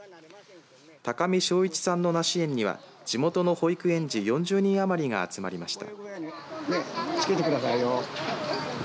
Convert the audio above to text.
高見正市さんの梨園には地元の保育園児４０人余りが集まりました。